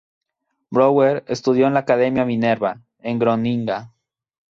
Brouwer estudió en la Academia Minerva, en Groninga.